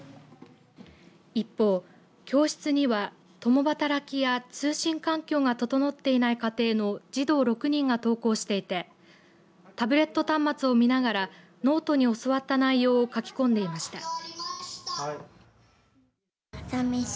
一方、教室には共働きや通信環境が整っていない家庭の児童６人が登校していてタブレット端末を見ながらノートに教わった内容を書き込んでいました。